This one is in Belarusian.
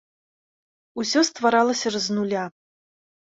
Усё стваралася ж з нуля.